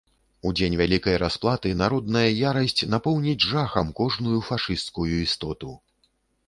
У дзень вялікай расплаты народная ярасць напоўніць жахам кожную фашысцкую істоту.